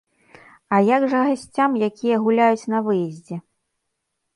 А як жа гасцям, якія гуляюць на выездзе?